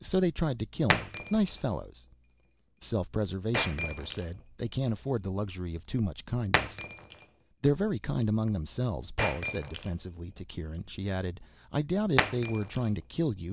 "So they tried to kill me. Nice fellows." "Self preservation," Webber said. "They can't afford the luxury of too much kindness." "They're very kind among themselves," Paula said defensively. To Kieran she added, "I doubt if they were trying to kill you.